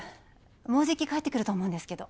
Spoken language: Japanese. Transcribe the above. もうじき帰ってくると思うんですけど。